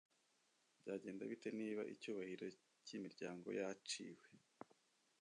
Byagenda bite niba icyubahiro cyimiryango yaciwe